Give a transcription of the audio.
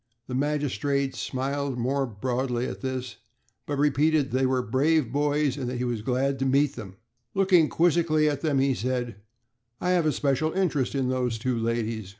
The magistrate smiled more broadly at this, but repeated that they were brave boys, and that he was glad to meet them. Looking quizzically at them, he said: "I have a special interest in those two ladies.